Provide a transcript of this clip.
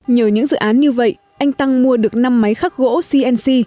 nhờ những dự án như vậy anh tăng mua được năm máy khắc gỗ cnc